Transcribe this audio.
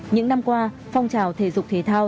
những năm qua phong trào thể dục thể thao